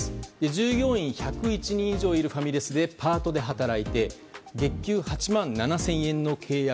従業員１０１人以上いるファミレスでパートで働いて月給８万７０００円の契約。